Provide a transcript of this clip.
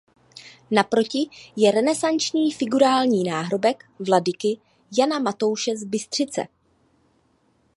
Naproti je renesanční figurální náhrobek vladyky Jana Matouše z Bystřice.